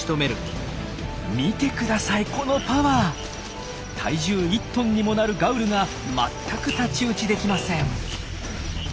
見てくださいこのパワー！体重１トンにもなるガウルがまったく太刀打ちできません。